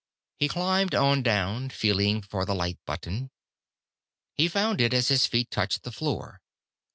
He climbed on down, feeling for the light button. He found it, as his feet touched the floor.